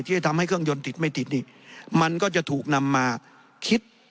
ที่จะทำให้เครื่องยนต์ติดไม่ติดนี่มันก็จะถูกนำมาคิด